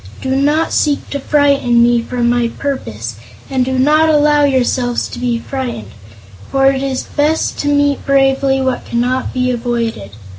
"Do not seek to frighten me from my purpose, and do not allow yourselves to be frightened, for it is best to meet bravely what cannot be avoided.